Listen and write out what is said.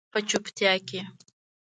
په چوپتیا کې